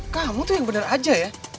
kamu tuh yang benar aja ya